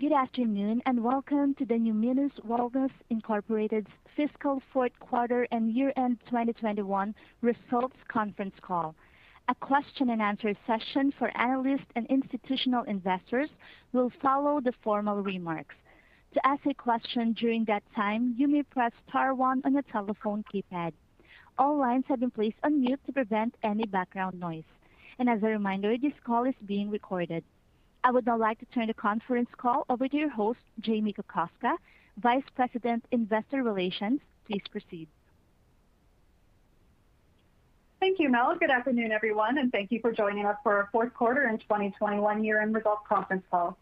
Good afternoon, and welcome to the Numinus Wellness Inc. Fiscal Fourth Quarter and Year-end 2021 Results Conference Call. A question and answer session for analysts and institutional investors will follow the formal remarks. To ask a question during that time, you may press star one on your telephone keypad. All lines have been placed on mute to prevent any background noise. As a reminder, this call is being recorded. I would now like to turn the conference call over to your host, Jamie Kokoska, Vice President, Investor Relations. Please proceed. Thank you, Mel. Good afternoon, everyone, and thank you for joining us for our fourth quarter and 2021 year-end results conference call.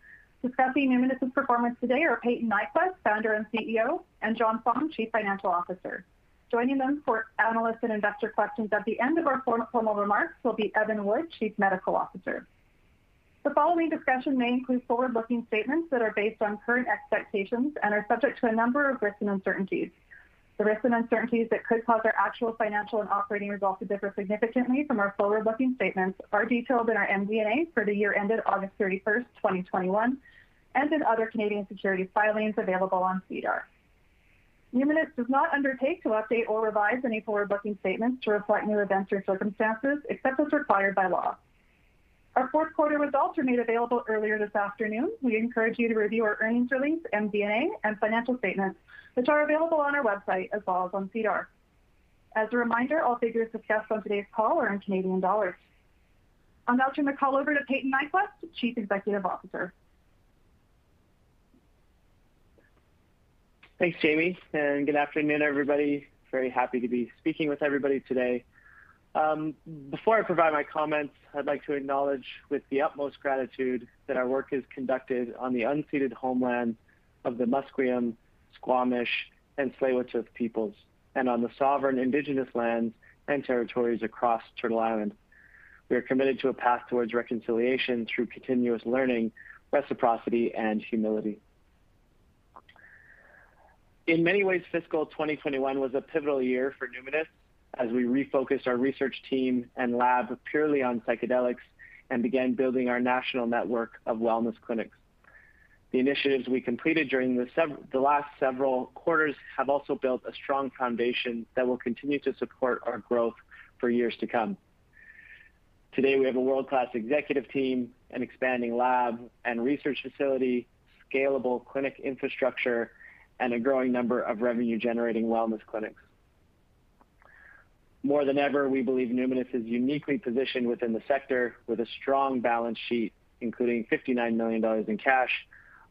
Discussing Numinus's performance today are Payton Nyquvest, Founder and CEO, and John Fong, Chief Financial Officer. Joining them for analyst and investor questions at the end of our formal remarks will be Evan Wood, Chief Medical Officer. The following discussion may include forward-looking statements that are based on current expectations and are subject to a number of risks and uncertainties. The risks and uncertainties that could cause our actual financial and operating results to differ significantly from our forward-looking statements are detailed in our MD&A for the year ended August 31, 2021, and in other Canadian securities filings available on SEDAR. Numinus does not undertake to update or revise any forward-looking statements to reflect new events or circumstances except as required by law. Our fourth quarter results were made available earlier this afternoon. We encourage you to review our earnings release, MD&A, and financial statements, which are available on our website as well as on SEDAR. As a reminder, all figures discussed on today's call are in Canadian dollars. I'll now turn the call over to Payton Nyquvest, Chief Executive Officer. Thanks, Jamie, and good afternoon, everybody. Very happy to be speaking with everybody today. Before I provide my comments, I'd like to acknowledge with the utmost gratitude that our work is conducted on the unceded homeland of the Musqueam, Squamish, and Tsleil-Waututh peoples, and on the sovereign Indigenous lands and territories across Turtle Island. We are committed to a path towards reconciliation through continuous learning, reciprocity, and humility. In many ways, fiscal 2021 was a pivotal year for Numinus as we refocused our research team and lab purely on psychedelics and began building our national network of wellness clinics. The initiatives we completed during the last several quarters have also built a strong foundation that will continue to support our growth for years to come. Today, we have a world-class executive team, an expanding lab and research facility, scalable clinic infrastructure, and a growing number of revenue-generating wellness clinics. More than ever, we believe Numinus is uniquely positioned within the sector with a strong balance sheet, including 59 million dollars in cash,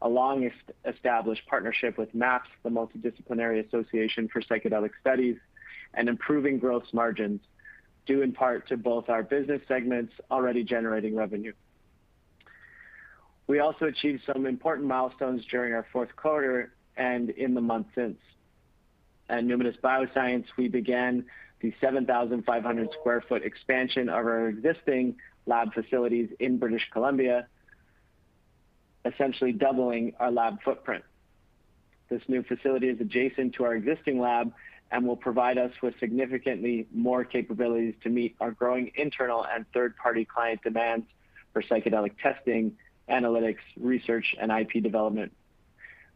a longest-established partnership with MAPS, the Multidisciplinary Association for Psychedelic Studies, and improving gross margins, due in part to both our business segments already generating revenue. We also achieved some important milestones during our fourth quarter and in the months since. At Numinus Bioscience, we began the 7,500 sq ft expansion of our existing lab facilities in British Columbia, essentially doubling our lab footprint. This new facility is adjacent to our existing lab and will provide us with significantly more capabilities to meet our growing internal and third-party client demands for psychedelic testing, analytics, research, and IP development.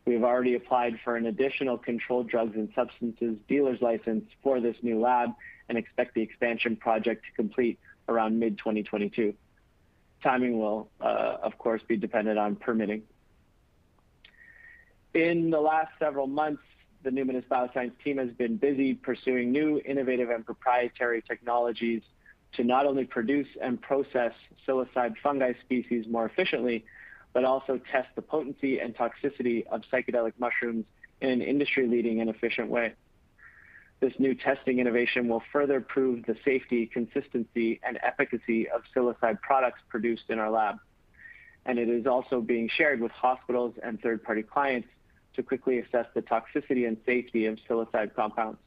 We have already applied for an additional controlled drugs and substances dealer's license for this new lab and expect the expansion project to complete around mid-2022. Timing will, of course, be dependent on permitting. In the last several months, the Numinus Bioscience team has been busy pursuing new innovative and proprietary technologies to not only produce and process psilocybe fungi species more efficiently, but also test the potency and toxicity of psychedelic mushrooms in an industry-leading and efficient way. This new testing innovation will further prove the safety, consistency, and efficacy of psilocybe products produced in our lab. It is also being shared with hospitals and third-party clients to quickly assess the toxicity and safety of psilocybe compounds.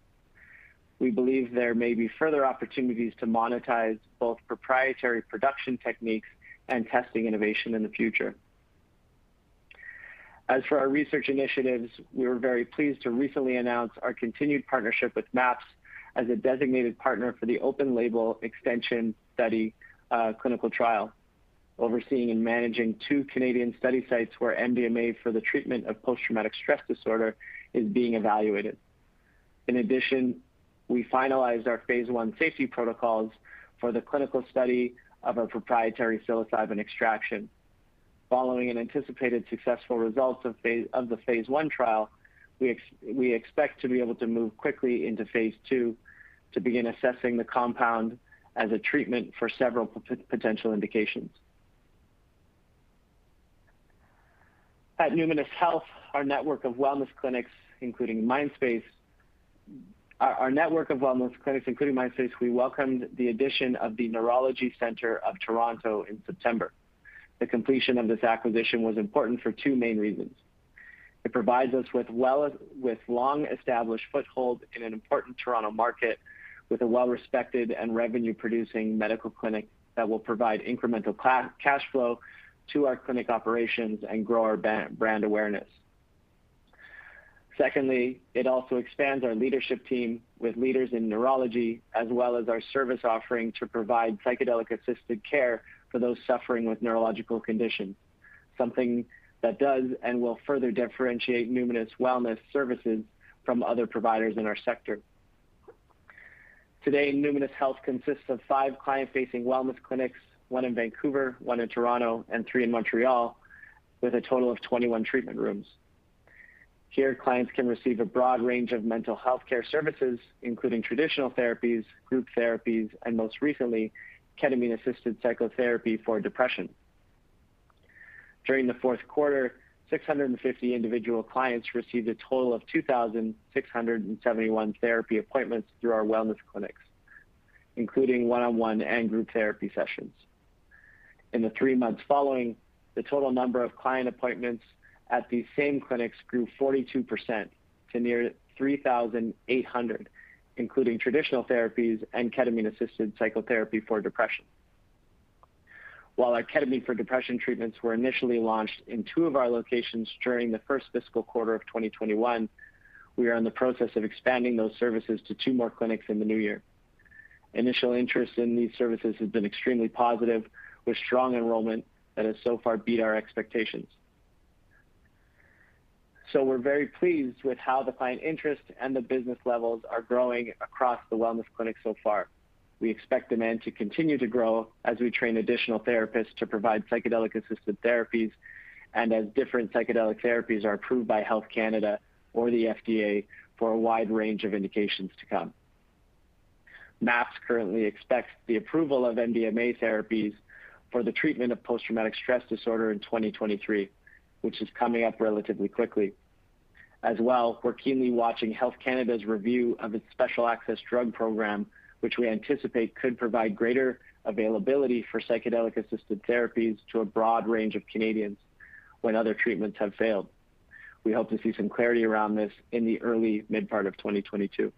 We believe there may be further opportunities to monetize both proprietary production techniques and testing innovation in the future. As for our research initiatives, we were very pleased to recently announce our continued partnership with MAPS as a designated partner for the Open-Label Extension Study clinical trial, overseeing and managing two Canadian study sites where MDMA for the treatment of post-traumatic stress disorder is being evaluated. In addition, we finalized our phase I safety protocols for the clinical study of a proprietary psilocybin extraction. Following an anticipated successful results of the phase I trial, we expect to be able to move quickly into phase II to begin assessing the compound as a treatment for several potential indications. At Numinus Health, our network of wellness clinics, including Mindspace, we welcomed the addition of the Neurology Centre of Toronto in September. The completion of this acquisition was important for two main reasons. It provides us with a long-established foothold in an important Toronto market with a well-respected and revenue-producing medical clinic that will provide incremental cash flow to our clinic operations and grow our brand awareness. Secondly, it also expands our leadership team with leaders in neurology as well as our service offering to provide psychedelic-assisted care for those suffering with neurological conditions, something that does and will further differentiate Numinus Wellness services from other providers in our sector. Today, Numinus Health consists of five client-facing wellness clinics, one in Vancouver, one in Toronto, and three in Montreal, with a total of 21 treatment rooms. Here, clients can receive a broad range of mental health care services, including traditional therapies, group therapies, and most recently, ketamine-assisted psychotherapy for depression. During the fourth quarter, 650 individual clients received a total of 2,671 therapy appointments through our wellness clinics, including one-on-one and group therapy sessions. In the three months following, the total number of client appointments at these same clinics grew 42% to near 3,800, including traditional therapies and ketamine-assisted psychotherapy for depression. While our ketamine for depression treatments were initially launched in two of our locations during the first fiscal quarter of 2021, we are in the process of expanding those services to 2 more clinics in the new year. Initial interest in these services has been extremely positive, with strong enrollment that has so far beat our expectations. We're very pleased with how the client interest and the business levels are growing across the wellness clinics so far. We expect demand to continue to grow as we train additional therapists to provide psychedelic-assisted therapies and as different psychedelic therapies are approved by Health Canada or the FDA for a wide range of indications to come. MAPS currently expects the approval of MDMA therapies for the treatment of post-traumatic stress disorder in 2023, which is coming up relatively quickly. As well, we're keenly watching Health Canada's review of its Special Access Program, which we anticipate could provide greater availability for psychedelic-assisted therapies to a broad range of Canadians when other treatments have failed. We hope to see some clarity around this in the early mid-part of 2022.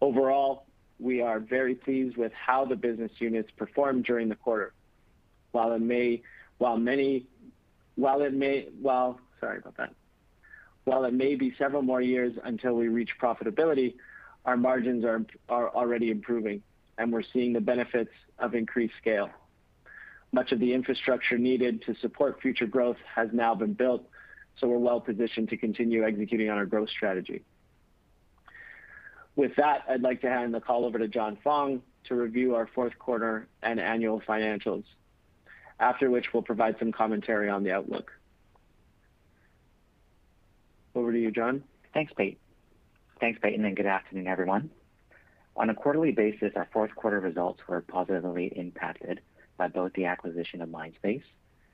Overall, we are very pleased with how the business units performed during the quarter. While it may be several more years until we reach profitability, our margins are already improving, and we're seeing the benefits of increased scale. Much of the infrastructure needed to support future growth has now been built, so we're well-positioned to continue executing on our growth strategy. With that, I'd like to hand the call over to John Fong to review our fourth quarter and annual financials. After which, we'll provide some commentary on the outlook. Over to you, John. Thanks, Payton, and good afternoon, everyone. On a quarterly basis, our fourth quarter results were positively impacted by both the acquisition of Mindspace,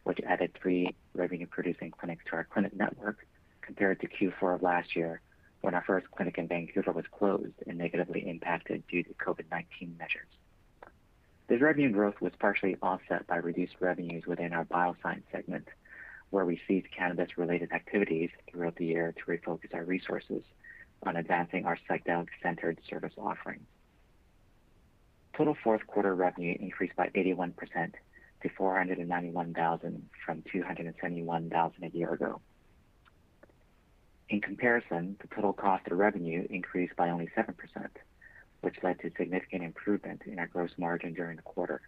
which added three revenue-producing clinics to our clinic network, compared to Q4 of last year when our first clinic in Vancouver was closed and negatively impacted due to COVID-19 measures. This revenue growth was partially offset by reduced revenues within our bioscience segment, where we ceased cannabis-related activities throughout the year to refocus our resources on advancing our psychedelic-centered service offering. Total fourth quarter revenue increased by 81% to 491 thousand from 271 thousand a year ago. In comparison, the total cost of revenue increased by only 7%, which led to significant improvement in our gross margin during the quarter.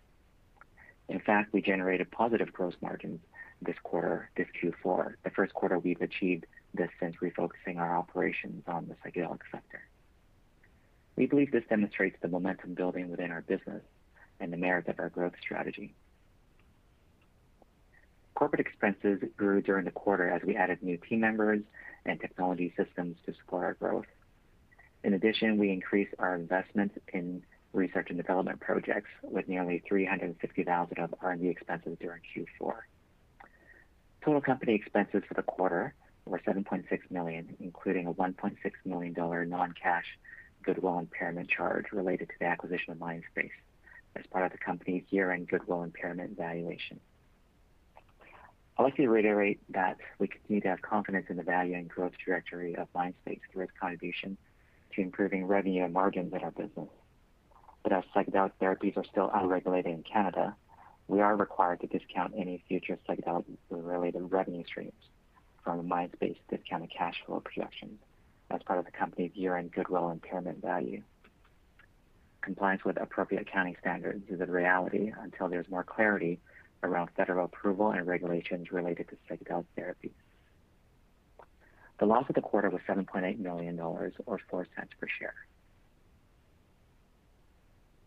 In fact, we generated positive gross margins this quarter, this Q4, the first quarter we've achieved this since refocusing our operations on the psychedelic sector. We believe this demonstrates the momentum building within our business and the merit of our growth strategy. Corporate expenses grew during the quarter as we added new team members and technology systems to support our growth. In addition, we increased our investment in research and development projects with nearly 350,000 of R&D expenses during Q4. Total company expenses for the quarter were 7.6 million, including a 1.6 million dollar non-cash goodwill impairment charge related to the acquisition of Mindspace as part of the company's year-end goodwill impairment valuation. I'd like to reiterate that we continue to have confidence in the value and growth trajectory of Mindspace through its contribution to improving revenue and margins in our business. As psychedelic therapies are still unregulated in Canada, we are required to discount any future psychedelic-related revenue streams from Mindspace's discounted cash flow projection as part of the company's year-end goodwill impairment value. Compliance with appropriate accounting standards is a reality until there's more clarity around federal approval and regulations related to psychedelic therapies. The loss of the quarter was 7.8 million dollars or 0.04 per share.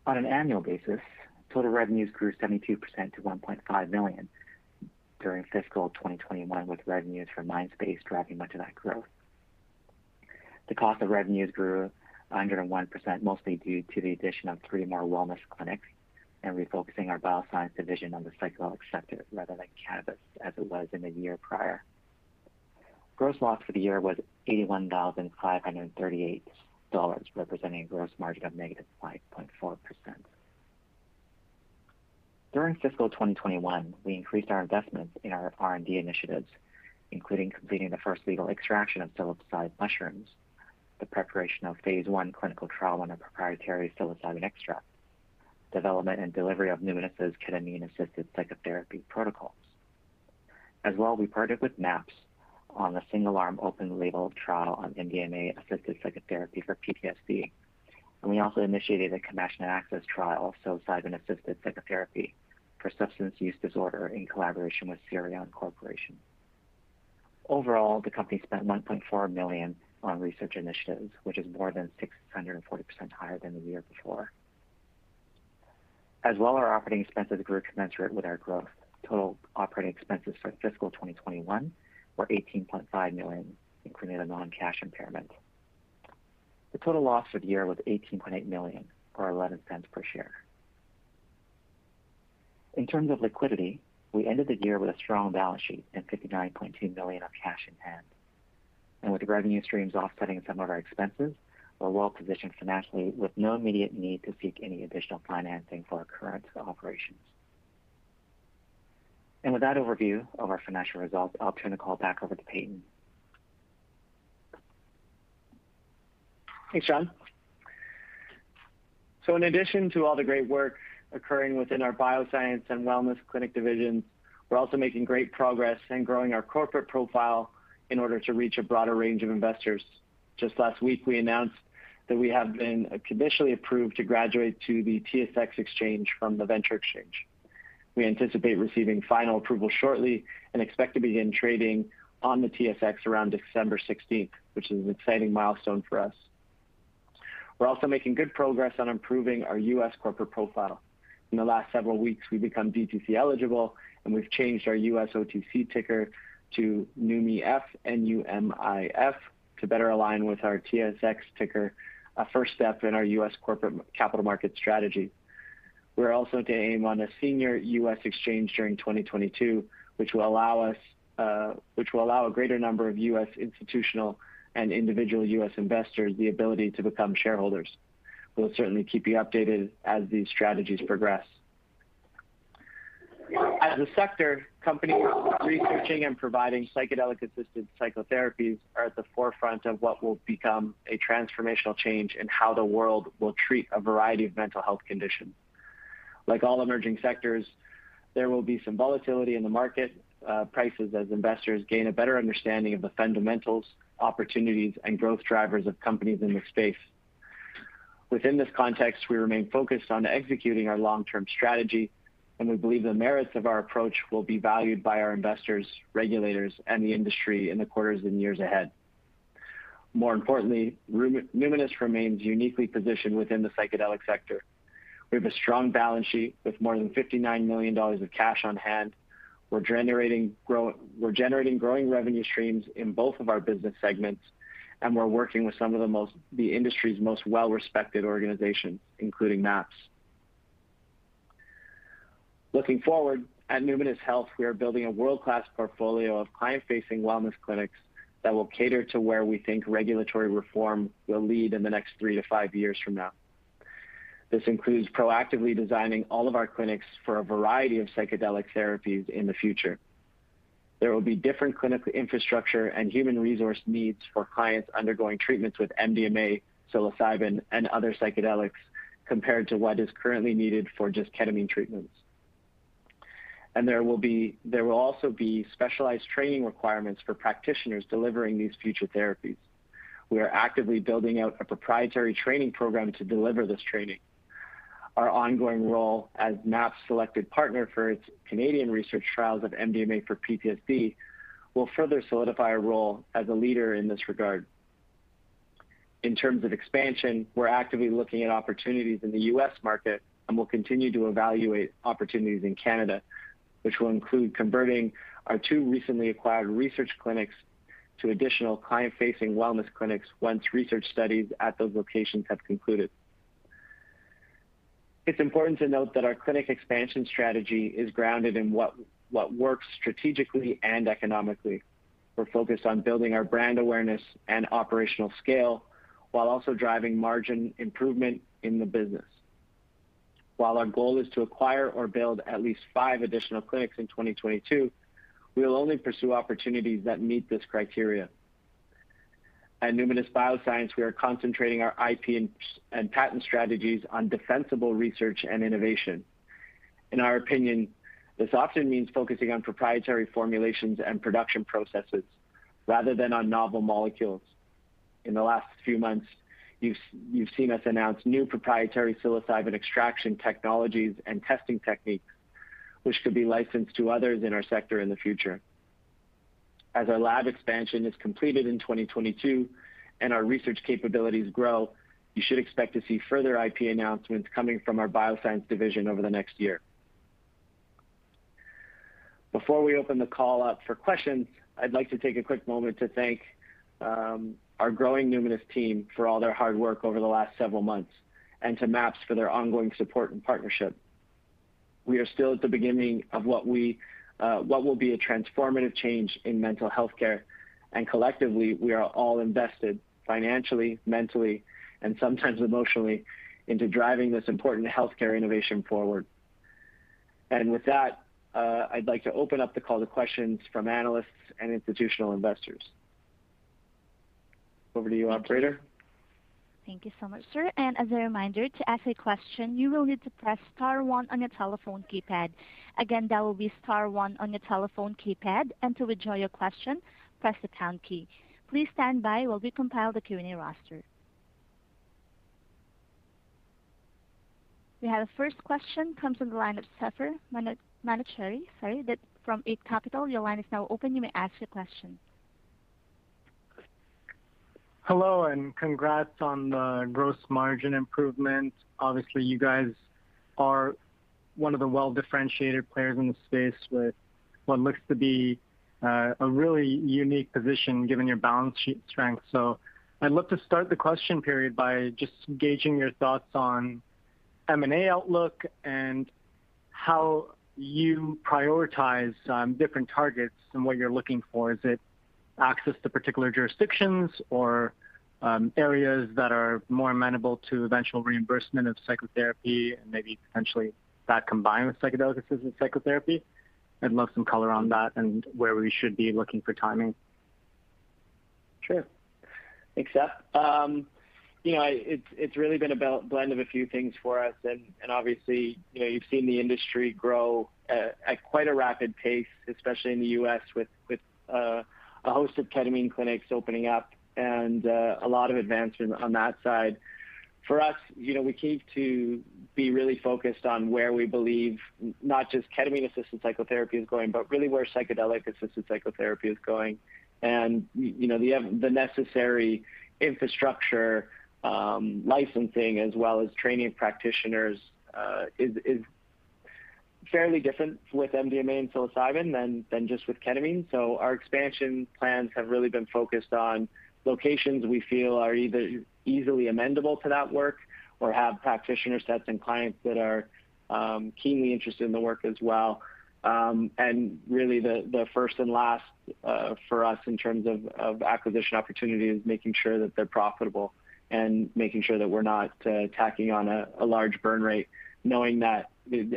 On an annual basis, total revenues grew 72% to 1.5 million during fiscal 2021, with revenues from Mindspace driving much of that growth. The cost of revenues grew 101%, mostly due to the addition of 3 more wellness clinics and refocusing our bioscience division on the psychedelic sector rather than cannabis as it was in the year prior. Gross loss for the year was 81,538 dollars, representing a gross margin of -5.4%. During fiscal 2021, we increased our investments in our R&D initiatives, including completing the first legal extraction of psilocybin mushrooms, the preparation of phase I clinical trial on a proprietary psilocybin extract, development and delivery of Numinus' ketamine-assisted psychotherapy protocols. As well, we partnered with MAPS on the single-arm open-label trial on MDMA-assisted psychotherapy for PTSD. We also initiated a Compassionate Access trial, psilocybin-assisted psychotherapy for substance use disorder in collaboration with Syreon Corporation. Overall, the company spent 1.4 million on research initiatives, which is more than 640% higher than the year before. As well, our operating expenses grew commensurate with our growth. Total operating expenses for fiscal 2021 were 18.5 million, including a non-cash impairment. The total loss for the year was 18.8 million or 11 cents per share. In terms of liquidity, we ended the year with a strong balance sheet and 59.2 million of cash in hand. With revenue streams offsetting some of our expenses, we're well-positioned financially with no immediate need to seek any additional financing for our current operations. With that overview of our financial results, I'll turn the call back over to Payton. Thanks, John Fong. In addition to all the great work occurring within our bioscience and wellness clinic divisions, we're also making great progress in growing our corporate profile in order to reach a broader range of investors. Just last week, we announced that we have been conditionally approved to graduate to the TSX from the TSX Venture Exchange. We anticipate receiving final approval shortly and expect to begin trading on the TSX around December sixteenth, which is an exciting milestone for us. We're also making good progress on improving our U.S. corporate profile. In the last several weeks, we've become DTC eligible, and we've changed our U.S. OTC ticker to NUMIF, N-U-M-I-F, to better align with our TSX ticker, a first step in our U.S. corporate capital market strategy. We're also aiming to list on a senior U.S. exchange during 2022, which will allow a greater number of U.S. institutional and individual U.S. investors the ability to become shareholders. We'll certainly keep you updated as these strategies progress. As a sector, companies researching and providing psychedelic-assisted psychotherapies are at the forefront of what will become a transformational change in how the world will treat a variety of mental health conditions. Like all emerging sectors, there will be some volatility in the market, prices as investors gain a better understanding of the fundamentals, opportunities, and growth drivers of companies in this space. Within this context, we remain focused on executing our long-term strategy, and we believe the merits of our approach will be valued by our investors, regulators, and the industry in the quarters and years ahead. More importantly, Numinus remains uniquely positioned within the psychedelic sector. We have a strong balance sheet with more than 59 million dollars of cash on hand. We're generating growing revenue streams in both of our business segments, and we're working with the industry's most well-respected organizations, including MAPS. Looking forward, at Numinus Health, we are building a world-class portfolio of client-facing wellness clinics that will cater to where we think regulatory reform will lead in the next 3-5 years from now. This includes proactively designing all of our clinics for a variety of psychedelic therapies in the future. There will be different clinical infrastructure and human resource needs for clients undergoing treatments with MDMA, psilocybin, and other psychedelics compared to what is currently needed for just ketamine treatments. There will also be specialized training requirements for practitioners delivering these future therapies. We are actively building out a proprietary training program to deliver this training. Our ongoing role as MAPS' selected partner for its Canadian research trials of MDMA for PTSD will further solidify our role as a leader in this regard. In terms of expansion, we're actively looking at opportunities in the U.S. market and will continue to evaluate opportunities in Canada, which will include converting our two recently acquired research clinics to additional client-facing wellness clinics once research studies at those locations have concluded. It's important to note that our clinic expansion strategy is grounded in what works strategically and economically. We're focused on building our brand awareness and operational scale while also driving margin improvement in the business. While our goal is to acquire or build at least five additional clinics in 2022, we will only pursue opportunities that meet this criteria. At Numinus Bioscience, we are concentrating our IP and patent strategies on defensible research and innovation. In our opinion, this often means focusing on proprietary formulations and production processes rather than on novel molecules. In the last few months, you've seen us announce new proprietary psilocybin extraction technologies and testing techniques, which could be licensed to others in our sector in the future. As our lab expansion is completed in 2022 and our research capabilities grow, you should expect to see further IP announcements coming from our bioscience division over the next year. Before we open the call up for questions, I'd like to take a quick moment to thank our growing Numinus team for all their hard work over the last several months and to MAPS for their ongoing support and partnership. We are still at the beginning of what will be a transformative change in mental health care, and collectively, we are all invested financially, mentally, and sometimes emotionally into driving this important healthcare innovation forward. With that, I'd like to open up the call to questions from analysts and institutional investors. Over to you, operator. Thank you so much, sir. As a reminder, to ask a question, you will need to press star one on your telephone keypad. Again, that will be star one on your telephone keypad. To withdraw your question, press the pound key. Please stand by while we compile the Q&A roster. We have the first question comes from the line of Sepehr Manochehry, sorry. That's from Eight Capital. Your line is now open. You may ask your question. Hello, congrats on the gross margin improvement. Obviously, you guys are one of the well-differentiated players in the space with what looks to be, a really unique position given your balance sheet strength. I'd love to start the question period by just gauging your thoughts on M&A outlook and how you prioritize, different targets and what you're looking for. Is it access to particular jurisdictions or, areas that are more amenable to eventual reimbursement of psychotherapy and maybe potentially that combined with psychedelic-assisted psychotherapy? I'd love some color on that and where we should be looking for timing. Sure. Thanks, Sep. You know, it's really been about a blend of a few things for us and obviously, you know, you've seen the industry grow at quite a rapid pace, especially in the U.S. with a host of ketamine clinics opening up and a lot of advancement on that side. For us, you know, we continue to be really focused on where we believe not just ketamine-assisted psychotherapy is going, but really where psychedelic-assisted psychotherapy is going. You know, the necessary infrastructure, licensing as well as training practitioners, is fairly different with MDMA and psilocybin than just with ketamine. Our expansion plans have really been focused on locations we feel are either easily amenable to that work or have practitioner sets and clients that are keenly interested in the work as well. Really the first and last for us in terms of acquisition opportunity is making sure that they're profitable and making sure that we're not tacking on a large burn rate knowing that,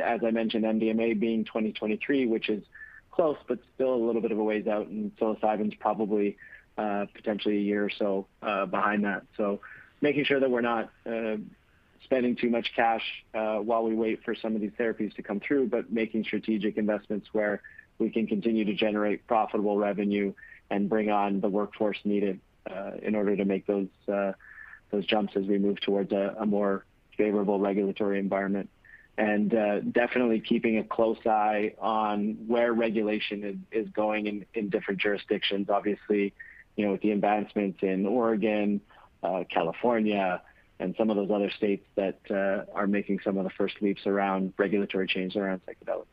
as I mentioned, MDMA being 2023, which is close, but still a little bit of a ways out, and psilocybin's probably potentially a year or so behind that. Making sure that we're not spending too much cash while we wait for some of these therapies to come through, but making strategic investments where we can continue to generate profitable revenue and bring on the workforce needed in order to make those jumps as we move towards a more favorable regulatory environment. Definitely keeping a close eye on where regulation is going in different jurisdictions. Obviously, you know, with the advancements in Oregon, California, and some of those other states that are making some of the first leaps around regulatory changes around psychedelics.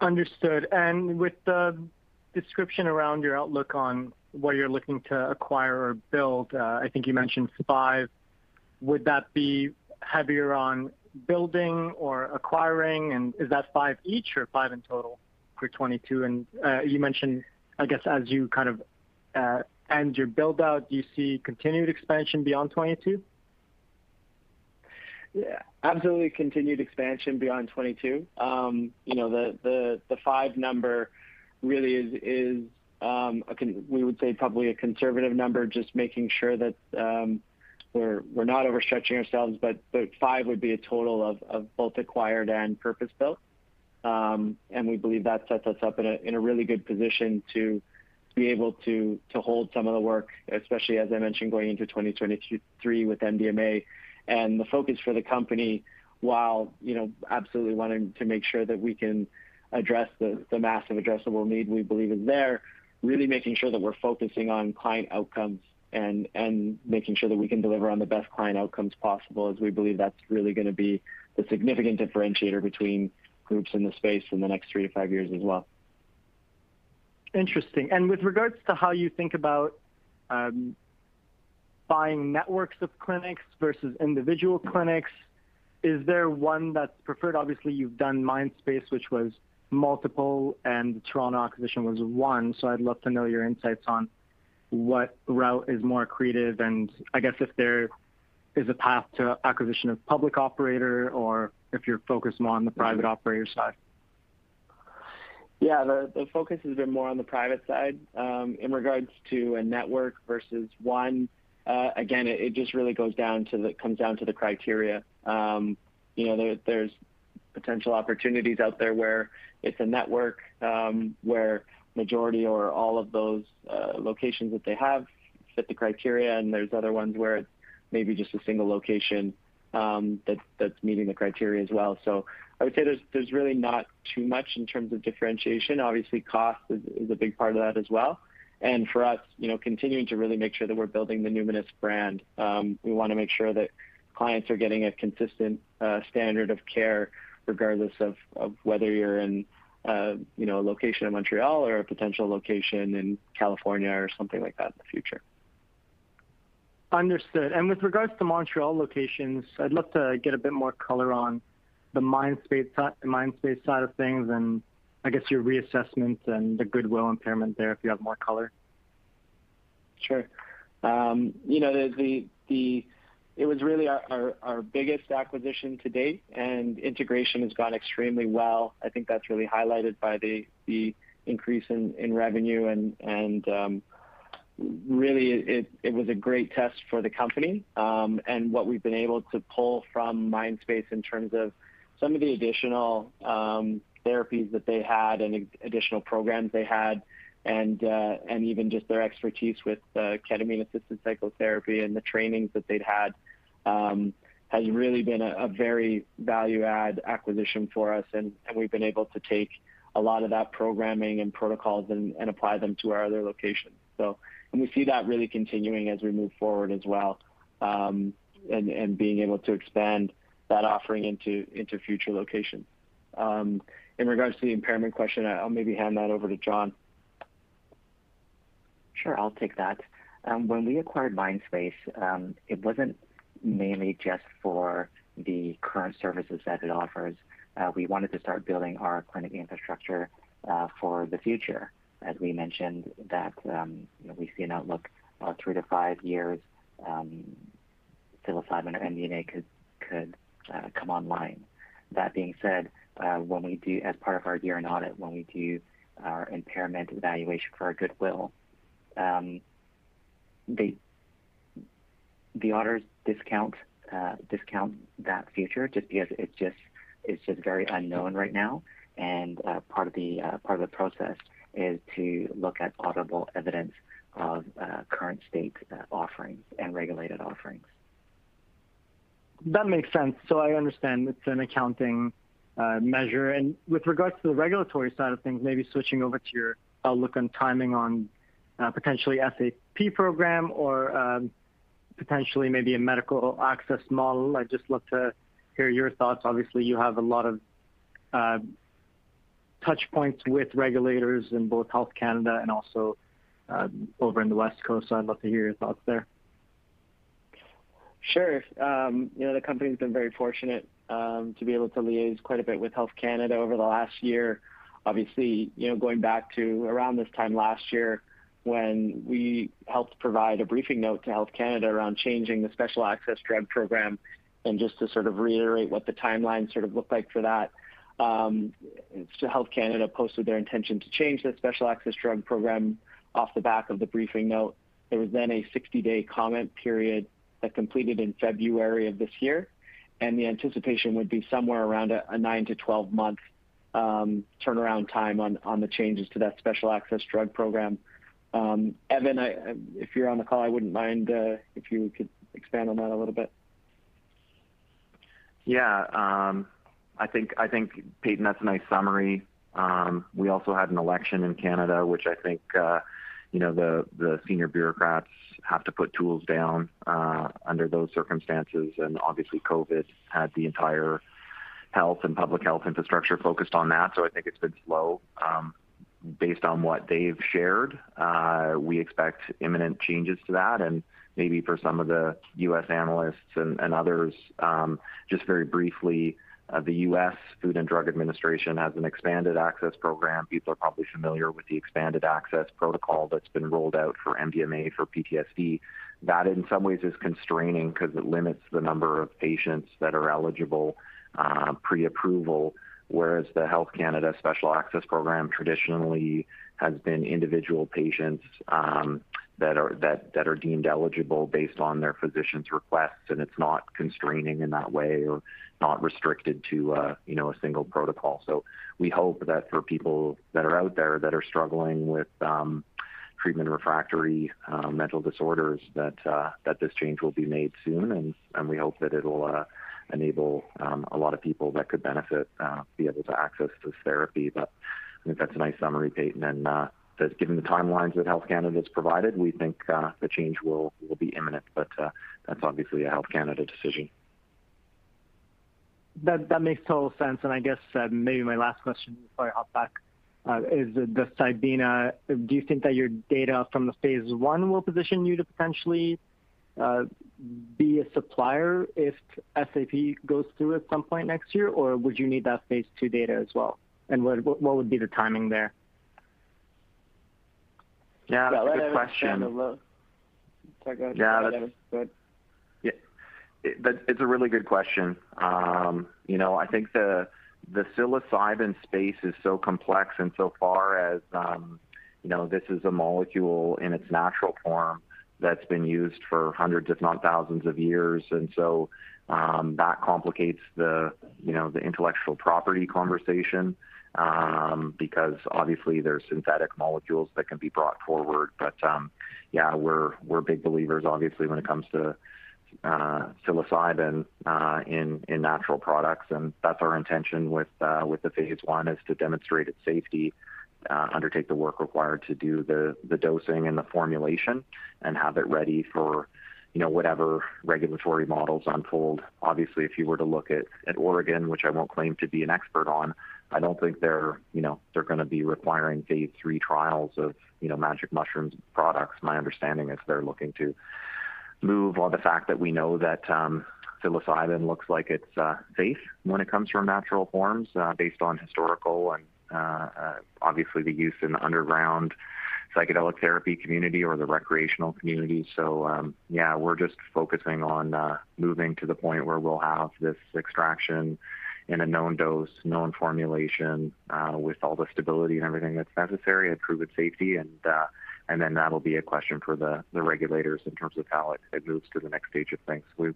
Understood. With the description around your outlook on what you're looking to acquire or build, I think you mentioned five. Would that be heavier on building or acquiring? Is that five each or five in total for 2022? You mentioned, I guess as you kind of end your build-out, do you see continued expansion beyond 2022? Yeah. Absolutely continued expansion beyond 2022. The 5 number really is a conservative number, just making sure that we're not overstretching ourselves. Five would be a total of both acquired and purpose-built. We believe that sets us up in a really good position to be able to hold some of the work, especially as I mentioned, going into 2023 with MDMA. The focus for the company, while, you know, absolutely wanting to make sure that we can address the massive addressable need we believe is there, really making sure that we're focusing on client outcomes and making sure that we can deliver on the best client outcomes possible, as we believe that's really gonna be the significant differentiator between groups in the space in the next 3-5 years as well. Interesting. With regards to how you think about buying networks of clinics versus individual clinics, is there one that's preferred? Obviously, you've done Mindspace, which was multiple, and the Toronto acquisition was one. I'd love to know your insights on what route is more accretive and I guess if there is a path to acquisition of public operator or if you're focused more on the private operator side. Yeah. The focus has been more on the private side. In regards to a network versus one, again, it just really comes down to the criteria. You know, there's potential opportunities out there where it's a network, where majority or all of those locations that they have fit the criteria, and there's other ones where it's maybe just a single location, that's meeting the criteria as well. I would say there's really not too much in terms of differentiation. Obviously, cost is a big part of that as well. For us, you know, continuing to really make sure that we're building the Numinus brand, we wanna make sure that clients are getting a consistent standard of care regardless of whether you're in, you know, a location in Montreal or a potential location in California or something like that in the future. Understood. With regards to Montreal locations, I'd love to get a bit more color on the Mindspace side of things and I guess your reassessments and the goodwill impairment there if you have more color. Sure. You know, it was really our biggest acquisition to date, and integration has gone extremely well. I think that's really highlighted by the increase in revenue, and really it was a great test for the company. What we've been able to pull from Mindspace in terms of some of the additional therapies that they had and additional programs they had and even just their expertise with ketamine-assisted psychotherapy and the trainings that they'd had has really been a very value add acquisition for us. We've been able to take a lot of that programming and protocols and apply them to our other locations. We see that really continuing as we move forward as well and being able to expand that offering into future locations. In regards to the impairment question, I'll maybe hand that over to John. Sure. I'll take that. When we acquired Mindspace, it wasn't mainly just for the current services that it offers. We wanted to start building our clinic infrastructure for the future. As we mentioned that, you know, we see an outlook about 3-5 years, psilocybin or MDMA could come online. That being said, as part of our year-end audit, when we do our impairment evaluation for our goodwill, the auditors discount that future just because it's just very unknown right now. Part of the process is to look at auditable evidence of current state offerings and regulated offerings. That makes sense. I understand it's an accounting measure. With regards to the regulatory side of things, maybe switching over to your outlook on timing on potentially SAP program or potentially maybe a medical access model. I'd just love to hear your thoughts. Obviously, you have a lot of touch points with regulators in both Health Canada and also over in the West Coast, so I'd love to hear your thoughts there. Sure. You know, the company's been very fortunate to be able to liaise quite a bit with Health Canada over the last year. Obviously, you know, going back to around this time last year when we helped provide a briefing note to Health Canada around changing the Special Access Program. Just to sort of reiterate what the timeline sort of looked like for that, Health Canada posted their intention to change that Special Access Program off the back of the briefing note. There was then a 60-day comment period that completed in February of this year, and the anticipation would be somewhere around a 9- to 12-month turnaround time on the changes to that Special Access Program. Evan, if you're on the call, I wouldn't mind if you could expand on that a little bit. Yeah. I think, Payton, that's a nice summary. We also had an election in Canada, which I think, you know, the senior bureaucrats have to put tools down, under those circumstances. Obviously, COVID had the entire health and public health infrastructure focused on that. I think it's been slow. Based on what they've shared, we expect imminent changes to that and maybe for some of the U.S. analysts and others. Just very briefly, the U.S. Food and Drug Administration has an Expanded Access Program. People are probably familiar with the Expanded Access Protocol that's been rolled out for MDMA for PTSD. That in some ways is constraining because it limits the number of patients that are eligible pre-approval, whereas the Health Canada Special Access Program traditionally has been individual patients that are deemed eligible based on their physician's request, and it's not constraining in that way or not restricted to you know a single protocol. We hope that for people that are out there that are struggling with treatment refractory mental disorders that this change will be made soon. We hope that it'll enable a lot of people that could benefit be able to access this therapy. I think that's a nice summary, Payton. Just given the timelines that Health Canada has provided, we think the change will be imminent. That's obviously a Health Canada decision. That makes total sense. I guess maybe my last question before I hop back is just ibogaine. Do you think that your data from the phase I will position you to potentially be a supplier if SAP goes through at some point next year? Or would you need that phase II data as well? What would be the timing there? Yeah, good question. It's a really good question. You know, I think the psilocybin space is so complex and so far as you know, this is a molecule in its natural form that's been used for hundreds if not thousands of years. That complicates the intellectual property conversation because obviously there are synthetic molecules that can be brought forward. Yeah, we're big believers obviously when it comes to psilocybin in natural products. That's our intention with the phase I is to demonstrate its safety, undertake the work required to do the dosing and the formulation and have it ready for you know, whatever regulatory models unfold. Obviously, if you were to look at Oregon, which I won't claim to be an expert on, I don't think they're, you know, gonna be requiring phase III trials of, you know, magic mushrooms products. My understanding is they're looking to move on the fact that we know that psilocybin looks like it's safe when it comes from natural forms, based on historical and obviously the use in the underground psychedelic therapy community or the recreational community. We're just focusing on moving to the point where we'll have this extraction in a known dose, known formulation, with all the stability and everything that's necessary and prove its safety. That'll be a question for the regulators in terms of how it moves to the next stage of things. We're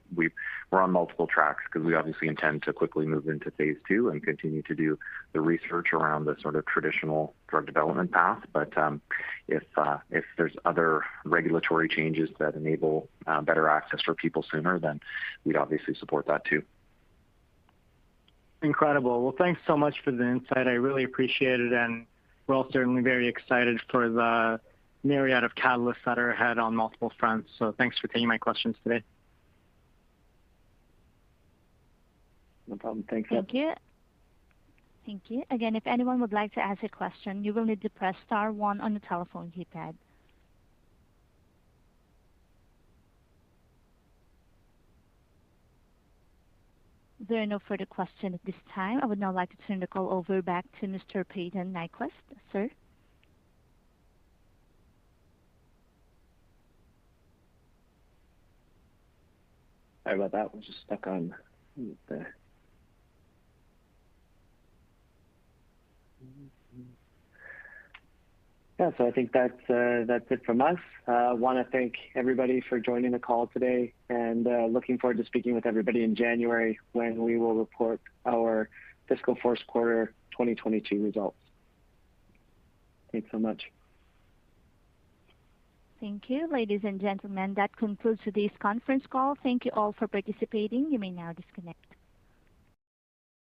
on multiple tracks 'cause we obviously intend to quickly move into phase II and continue to do the research around the sort of traditional drug development path. If there's other regulatory changes that enable better access for people sooner, then we'd obviously support that too. Incredible. Well, thanks so much for the insight. I really appreciate it, and we're all certainly very excited for the myriads of catalysts that are ahead on multiple fronts. Thanks for taking my questions today. No problem. Thanks. Thank you. Again, if anyone would like to ask a question, you will need to press star one on your telephone keypad. There are no further questions at this time. I would now like to turn the call over to Mr. Payton Nyquvest. Sir. Sorry about that. We're just stuck on mute there. Yeah. I think that's it from us. Wanna thank everybody for joining the call today, and looking forward to speaking with everybody in January when we will report our fiscal first quarter 2022 results. Thanks so much. Thank you. Ladies and gentlemen, that concludes today's conference call. Thank you all for participating. You may now disconnect.